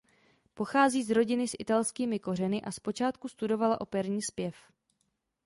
Pochází z rodiny s italskými kořeny a zpočátku studovala operní zpěv.